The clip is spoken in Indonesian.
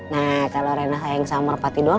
nah kalau rena sayang sama merpati doang